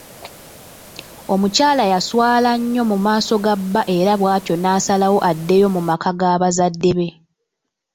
Omukyala yaswaala nnyo mu maaso ga bba era bwatyo n'asalawo addeyo mu maka ga bazadde be.